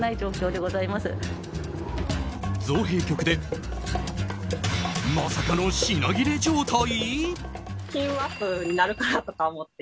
造幣局でまさかの品切れ状態？